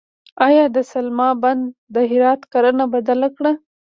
آیا د سلما بند د هرات کرنه بدله کړه؟